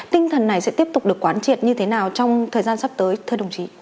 tinh thần này sẽ tiếp tục được quán triệt như thế nào trong thời gian sắp tới thưa đồng chí